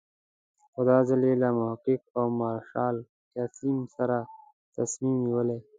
خو دا ځل یې له محقق او مارشال قسیم سره تصمیم نیولی.